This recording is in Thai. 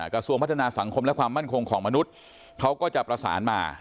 กระทรวงพัฒนาสังคมและความมั่นคงของมนุษย์เขาก็จะประสานมา